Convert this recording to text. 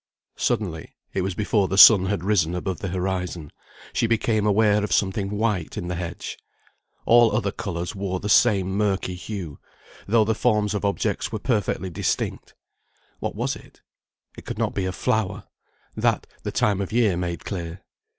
Suddenly (it was before the sun had risen above the horizon) she became aware of something white in the hedge. All other colours wore the same murky hue, though the forms of objects were perfectly distinct. What was it? It could not be a flower; that, the time of year made clear.